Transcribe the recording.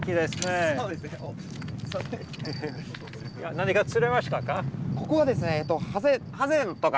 何か釣れましたか？